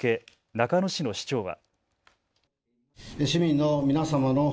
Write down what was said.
中野市の市長は。